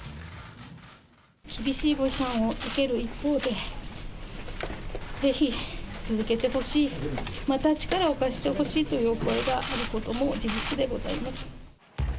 厳しいご批判を受ける一方で、ぜひ続けてほしい、また力を貸してほしいというお声があることも事実でございます。